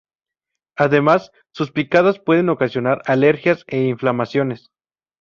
Además, sus picadas pueden ocasionar alergias, e inflamaciones.